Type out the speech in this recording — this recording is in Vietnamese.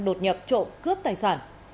đột nhập trộm cướp tài sản